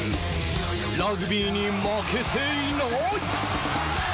ラグビーに負けていない！